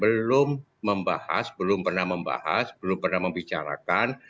belum membahas belum pernah membahas belum pernah membicarakan